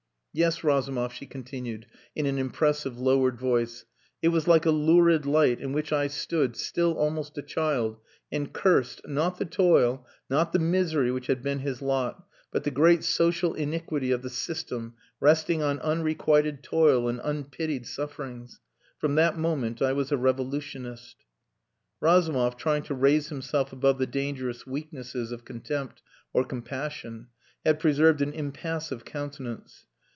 "Yes, Razumov," she continued, in an impressive, lowered voice, "it was like a lurid light in which I stood, still almost a child, and cursed not the toil, not the misery which had been his lot, but the great social iniquity of the system resting on unrequited toil and unpitied sufferings. From that moment I was a revolutionist." Razumov, trying to raise himself above the dangerous weaknesses of contempt or compassion, had preserved an impassive countenance.